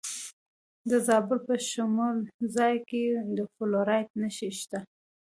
د زابل په شمولزای کې د فلورایټ نښې شته.